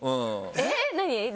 えっ何？